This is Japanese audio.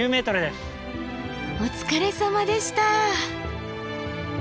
お疲れさまでした！